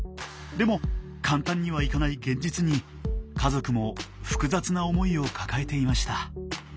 でも簡単にはいかない現実に家族も複雑な思いを抱えていました。